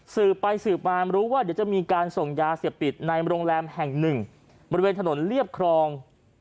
สื่อไปรู้ว่าเดี๋ยวจะมีการส่งยาเสียบปิดในโรงแรมแห่ง๑บริเวณถนนเลียบคลอง